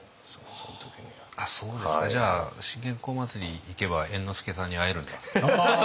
じゃあ信玄公祭り行けば猿之助さんに会えるんだ。